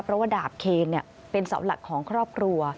เพราะว่าดาบเคนเป็นเสาหลักของครอบครัว